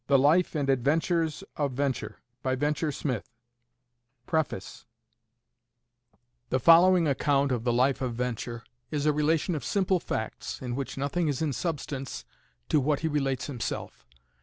RELATED BY HIMSELF. VENTURE SMITH New London, 1798 PREFACE The following account of the life of VENTURE, is a relation of simple facts, in which nothing is in substance to what he relates himself.